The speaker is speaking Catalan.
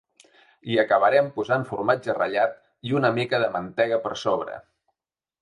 Hi acabarem posant formatge ratllat i una mica de mantega per sobre.